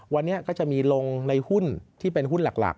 วันนี้ก็จะมีลงในหุ้นที่เป็นหุ้นหลัก